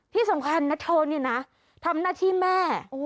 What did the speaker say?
ที่สำคัญนะเธอเนี่ยนะทำหน้าที่แม่